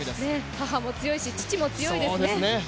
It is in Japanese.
母も強いし、父も強いですね。